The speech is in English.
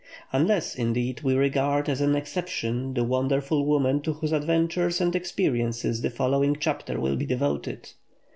Unless, indeed, we regard as an exception the wonderful woman to whose adventures and experiences the following chapter will be devoted.